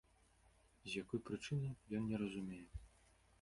З якой прычыны, ён не разумее.